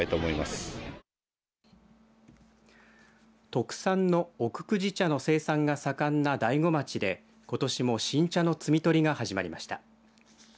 特産の奥久慈茶の生産が盛んな大子町で、ことしも新茶の摘み取りが始まりました。